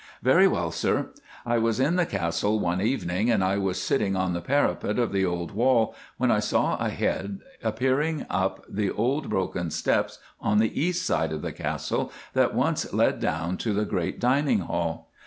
"Very well, sir, I was in the Castle one evening, and I was sitting on the parapet of the old wall when I saw a head appearing up the old broken steps on the east side of the Castle that once led down to the great dining hall.